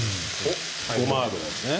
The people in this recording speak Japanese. ごま油ですね。